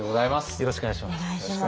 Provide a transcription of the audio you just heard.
よろしくお願いします。